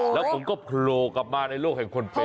แล้วผมก็โผล่กลับมาในโลกแห่งคนเป็น